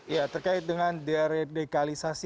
ya terkait dengan deradikalisasi